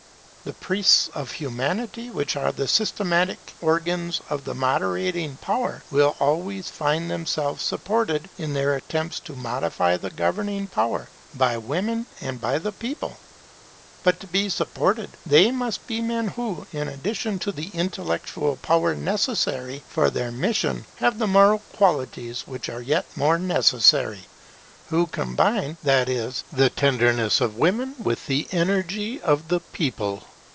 The priests of Humanity, who are the systematic organs of the moderating power, will always find themselves supported, in their attempts to modify the governing power, by women and by the people. But to be so supported, they must be men who, in addition to the intellectual power necessary for their mission, have the moral qualities which are yet more necessary; who combine, that is, the tenderness of women with the energy of the people.